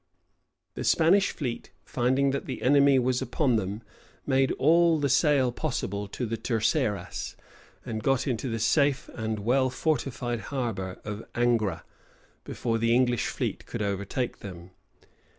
The Spanish fleet, finding that the enemy was upon them, made all the sail possible to the Terceras, and got into the safe and well fortified harbor of Angra, before the English fleet could overtake them.